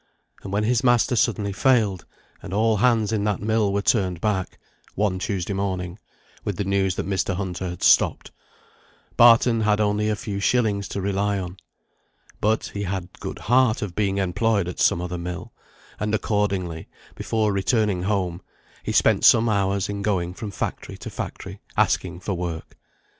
And when his master suddenly failed, and all hands in that mill were turned back, one Tuesday morning, with the news that Mr. Hunter had stopped, Barton had only a few shillings to rely on; but he had good heart of being employed at some other mill, and accordingly, before returning home, he spent some hours in going from factory to factory, asking for work.